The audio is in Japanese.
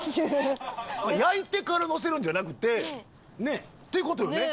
焼いてからのせるんじゃなくてって事よね？